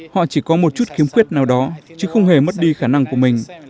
họ chỉ có một chút khiếm khuyết nào đó chứ không hề mất đi khả năng của mình